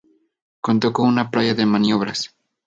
Contó con una playa de maniobras.